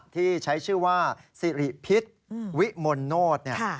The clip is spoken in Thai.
ที่ใช้ชื่อว่าสรีผิดวิมนนท์เนี่ย